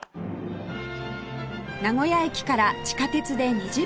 名古屋駅から地下鉄で２０分